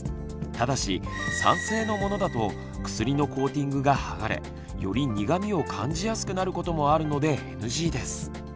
ただし酸性のものだと薬のコーティングが剥がれより苦みを感じやすくなることもあるのでＮＧです。